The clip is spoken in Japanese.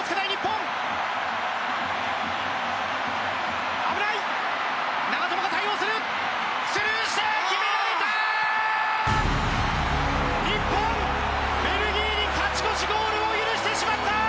日本、ベルギーに勝ち越しゴールを許してしまった！